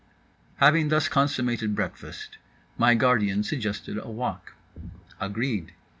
Having thus consummated breakfast, my guardian suggested a walk. Agreed.